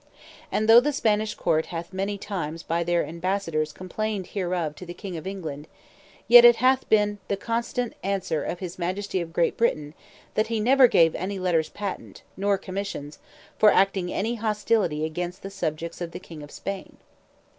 And though the Spanish court hath many times by their ambassadors complained hereof to the king of England; yet it hath been the constant answer of his Majesty of Great Britain, that he never gave any letters patent, nor commissions, for acting any hostility against the subjects of the king of Spain.